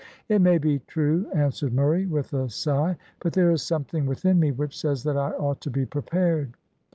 "It may be true," answered Murray, with a sigh, "but there is something within me which says that I ought to be prepared."